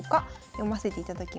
読ませていただきます。